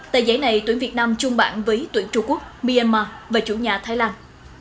tại giấy này tuyển việt nam chung bản với tuyển trung quốc myanmar và chủ nhà thái lan